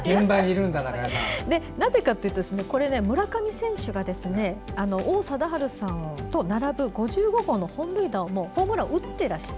なぜかというと、村上選手が王貞治さんと並ぶ５５号のホームランを打っていらして。